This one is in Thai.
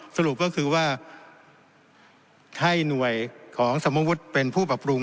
สรุปก็คือว่าให้หน่วยของสมมุติเป็นผู้ปรับปรุง